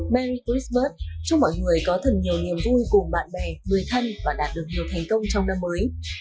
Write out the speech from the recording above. mani christburg chúc mọi người có thật nhiều niềm vui cùng bạn bè người thân và đạt được nhiều thành công trong năm mới